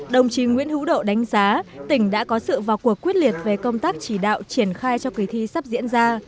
đồng chí nguyễn hữu độ đánh giá tỉnh đã có sự vào cuộc quyết liệt về công tác chỉ đạo triển khai cho kỳ thi sắp diễn ra